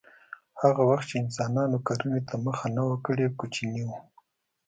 هغه وخت چې انسانانو کرنې ته مخه نه وه کړې کوچني وو